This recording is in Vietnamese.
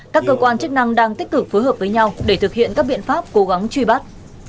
các cơ quan chức năng đang tích cực phối hợp với nhau để thực hiện các biện pháp cố gắng truy bắt